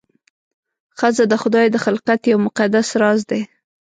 ښځه د خدای د خلقت یو مقدس راز دی.